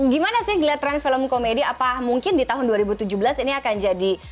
gimana sih ngeliat tren film komedi apa mungkin di tahun dua ribu tujuh belas ini akan jadi